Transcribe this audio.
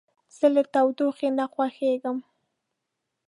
زه له تودوخې نه خوښیږم.